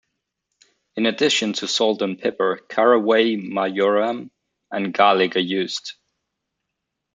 In addition to salt and pepper, caraway, marjoram, and garlic are used.